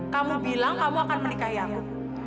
kamu bilang kamu akan menikahi aku